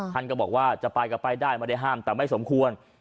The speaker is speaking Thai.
ท่านก็บอกว่าจะไปก็ไปได้ไม่ได้ห้ามแต่ไม่สมควร